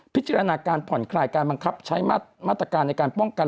พิจารณาการผ่อนคลายการบังคับใช้มาตรการในการป้องกัน